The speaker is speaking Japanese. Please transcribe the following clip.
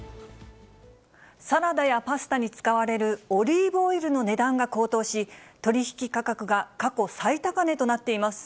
サラダやパスタに使われるオリーブオイルの値段が高騰し、取り引き価格が過去最高値となっています。